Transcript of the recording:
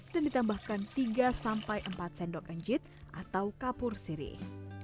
dan ditambahkan tiga empat sendok enjit atau kapur sirih